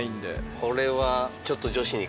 これはちょっと。